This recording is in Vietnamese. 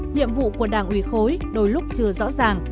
nhiệm vụ của đảng ủy khối đôi lúc chưa rõ ràng